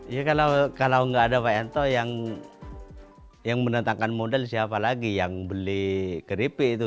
ya kalau nggak ada pak erto yang mendatangkan modal siapa lagi yang beli keripik itu